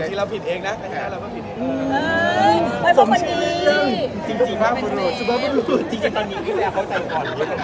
จริงตอนนี้แค่เขาใจก่อนมันเยอะกว่านี้